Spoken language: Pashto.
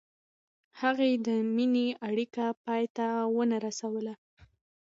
هغې د مینې اړیکه پای ته ونه رسوله.